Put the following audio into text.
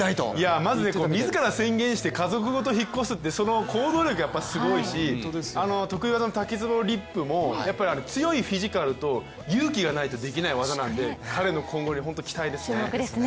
まず自ら宣言して家族ごと引っ越すって、その行動力がすごいし、得意技の滝つぼリップも強いフィジカルと勇気がないとできない技なんで彼の今後に本当に期待ですね。